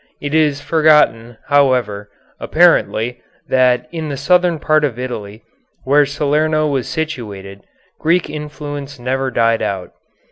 It is forgotten, however, apparently, that in the southern part of Italy, where Salerno was situated, Greek influence never died out.